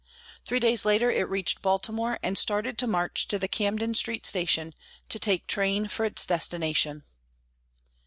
Three days later it reached Baltimore, and started to march to the Camden Street station to take train for its destination.